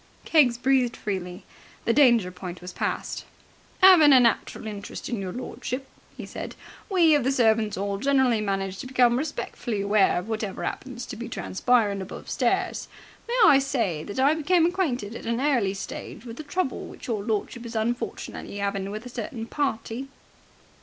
Keggs breathed freely. The danger point was past. "'Aving a natural interest, your lordship," he said, "we of the Servants' 'All generally manage to become respectfully aware of whatever 'appens to be transpirin' above stairs. May I say that I became acquainted at an early stage with the trouble which your lordship is unfortunately 'aving with a certain party?"